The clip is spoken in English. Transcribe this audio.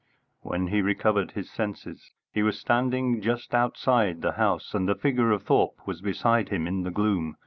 When he recovered his senses he was standing just outside the house and the figure of Thorpe was beside him in the gloom.